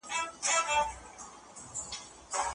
مشتري سره ښه چلند وکړئ.